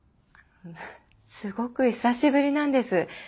すごく久しぶりなんです。